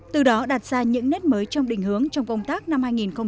từ đó đạt ra những nét mới trong định hướng trong công tác năm hai nghìn một mươi bảy